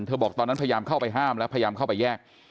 บอกตอนนั้นพยายามเข้าไปห้ามแล้วพยายามเข้าไปแยก